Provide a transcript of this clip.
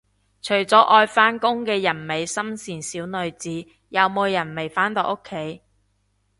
除咗愛返工嘅人美心善小女子，有冇人未返到屋企